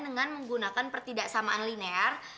dengan menggunakan pertidaksamaan linear